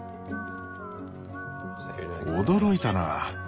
驚いたな。